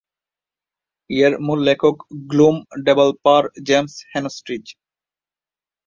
এর মূল লেখক গ্নোম ডেভেলপার জেমস হেনস্ট্রিজ।